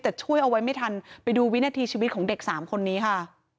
แต่ช่วยเอาไว้ไม่ทันไปดูวินาทีชีวิตของเด็กสามคนนี้ค่ะ